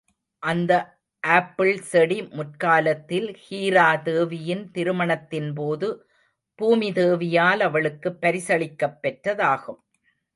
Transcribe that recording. அந்த ஆப்பிள் செடி முற்காலத்தில் ஹீரா தேவியின திருமணத்தின்போது பூமிதேவியால் அவளுக்குப் பரிசளிக்கப்பெற்றதாகும்.